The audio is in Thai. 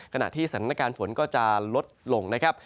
ขณะที่สถานการณ์ฝนก็จะลดลงนะครับ